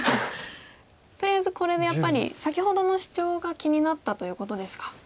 とりあえずこれでやっぱり先ほどのシチョウが気になったということですか。